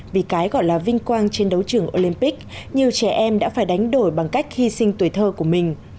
vì cái gọi là vinh quang trên đấu trường olympic nhiều trẻ em đã phải đánh đổi bằng cách hy sinh tuổi thơ của mình